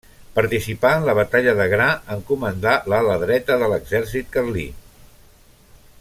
Participà en la batalla de Gra en comandar l'ala dreta de l'exèrcit carlí.